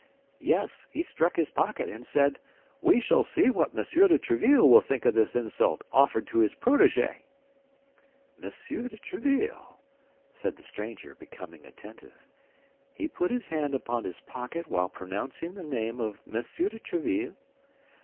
"Yes; he struck his pocket and said, 'We shall see what Monsieur de Tréville will think of this insult offered to his protégé.'" "Monsieur de Tréville?" said the stranger, becoming attentive, "he put his hand upon his pocket while pronouncing the name of Monsieur de Tréville?